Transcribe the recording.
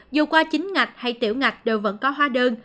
dù qua chính ngạch hay tiểu ngạch đều vẫn có hóa đơn